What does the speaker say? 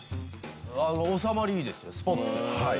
収まりいいですねスポッと。